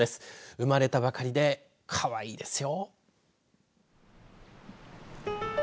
生まれたばかりでかわいいですよ。